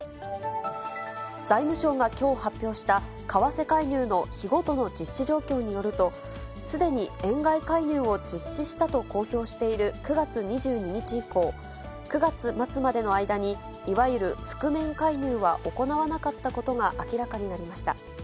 財務省がきょう発表した、為替介入の日ごとの実施状況によると、すでに円買い介入を実施したと公表している９月２２日以降、９月末までの間に、いわゆる覆面介入は行わなかったことが明らかになりました。